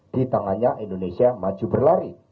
di tangannya indonesia maju berlari